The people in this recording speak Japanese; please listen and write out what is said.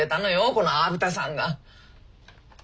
この虻田さんが。